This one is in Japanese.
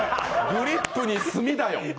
「グリップに墨だよ」。